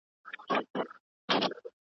په اروپا کې ګډ بورډونه جوړ شوي دي.